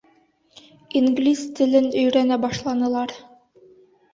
Инглиз телен өйрәнә башланылар.